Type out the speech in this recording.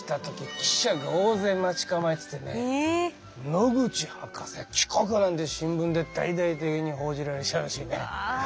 「野口博士帰国」なんて新聞で大々的に報じられちゃうしね。